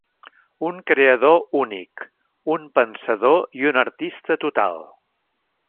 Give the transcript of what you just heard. Un creador únic, un pensador i un artista total.